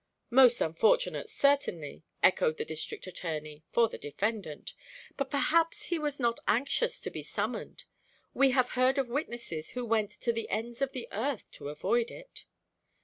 "Most unfortunate, certainly," echoed the District Attorney, "for the defendant. But perhaps he was not anxious to be summoned. We have heard of witnesses who went to the ends of the earth to avoid it."